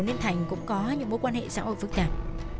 nên thành cũng có những mối quan hệ xã hội phức tạp